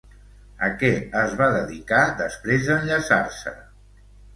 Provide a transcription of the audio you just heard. A què es va dedicar després d'enllaçar-se?